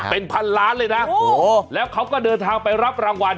เป็นพันล้านเลยนะโอ้โหแล้วเขาก็เดินทางไปรับรางวัล